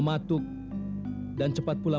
kau hutang kami sejak hari tadi